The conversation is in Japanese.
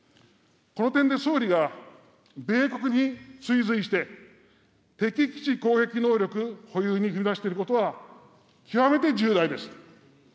この点で総理が米国に追随して、敵基地攻撃能力保有に踏み出していることは、極めて重大です。